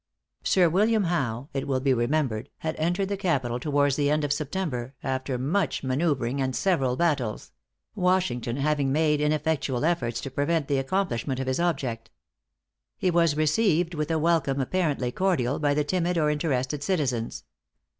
Sir William Howe, it will be remembered, had entered the capital towards the end of September, after much manoeuvring and several battles Washington having made ineffectual efforts to prevent the accomplishment of his object. He was received with a welcome, apparently cordial, by the timid or interested citizens.